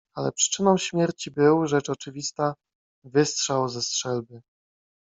"Ale przyczyną śmierci był, rzecz oczywista, wystrzał ze strzelby."